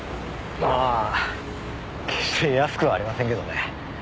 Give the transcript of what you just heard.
まあ決して安くはありませんけどね。